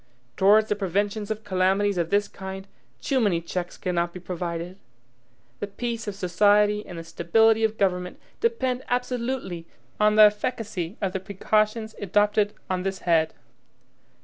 Towards the preventions of calamities of this kind, too many checks cannot be provided. The peace of society and the stability of government depend absolutely on the efficacy of the precautions adopted on this head.